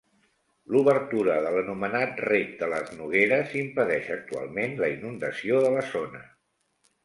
L'obertura de l'anomenat Rec de les Nogueres impedeix actualment la inundació de la zona.